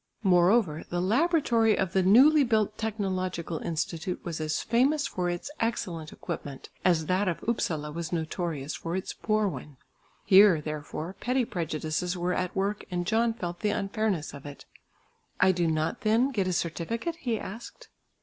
Moreover the laboratory of the newly built technological institute was as famous for its excellent equipment, as that of Upsala was notorious for its poor one. Here, therefore, petty prejudices were at work and John felt the unfairness of it. "I do not then get a certificate?" he asked.